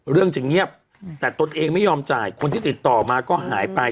เรื่องจะเงียบแต่ตนเองไม่ยอมจ่ายคนที่ติดต่อมาก็หายไป